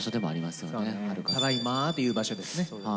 ただいまっていう場所ですね。